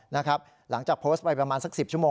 นะครับหลังจากโพสต์ไปประมาณสัก๑๐ชั่วโมง